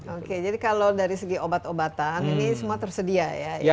oke jadi kalau dari segi obat obatan ini semua tersedia ya